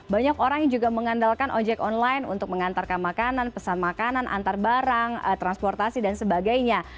banyak orang yang juga mengandalkan ojek online untuk mengantarkan makanan pesan makanan antar barang transportasi dan sebagainya